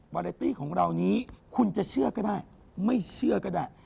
วาเรตี้ของเรานี้คุณจะเชื่อก็ได้ไม่เชื่อก็ได้